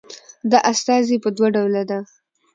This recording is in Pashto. دا استازي په دوه ډوله ده